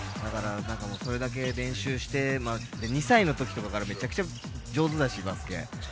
それだけ練習して２歳の時とかからめちゃくちゃ上手だしバスケ。